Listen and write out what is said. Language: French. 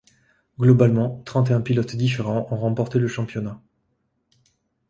Globalement, trente et un pilotes différents ont remporté le championnat.